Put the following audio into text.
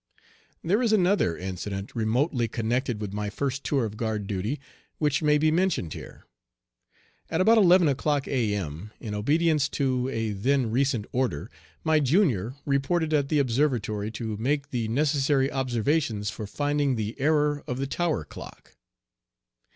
There is another incident remotely connected with my first tour of guard duty which may be mentioned here. At about eleven o'clock A.M., in obedience to a then recent order, my junior reported at the observatory to make the necessary observations for finding the error of the Tower clock.